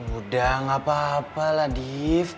udah gak apa apa lah dief